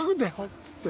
っつって。